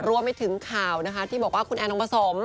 รวมไปถึงข่าวนะคะที่บอกว่าคุณแอนองผสม